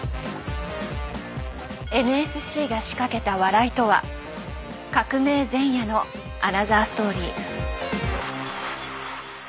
ＮＳＣが仕掛けた笑いとは革命前夜のアナザーストーリー。